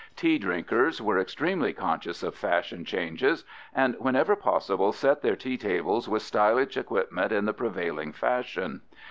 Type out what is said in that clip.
Tea drinkers were extremely conscious of fashion changes and, whenever possible, set their tea tables with stylish equipment in the prevailing fashion.